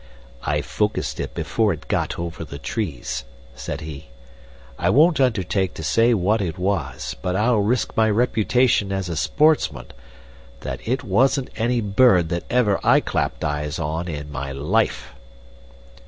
"I focused it before it got over the trees," said he. "I won't undertake to say what it was, but I'll risk my reputation as a sportsman that it wasn't any bird that ever I clapped eyes on in my life."